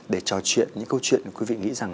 để trò chuyện những câu chuyện